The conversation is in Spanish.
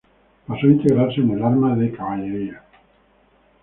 Pasó a integrarse en el arma de Caballería.